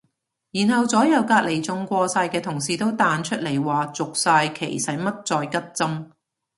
然後左右隔離中過晒嘅同事都彈出嚟話續晒期使乜再拮針